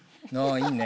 いいね！